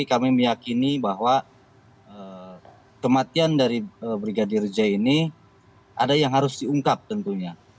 kami meyakini bahwa kematian dari brigadir j ini ada yang harus diungkap tentunya